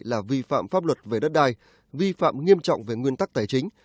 là vi phạm pháp luật về đất đai vi phạm nghiêm trọng về nguyên tắc tài chính